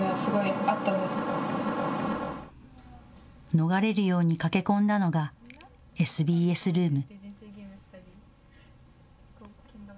逃れるように駆け込んだのがＳＢＳルーム。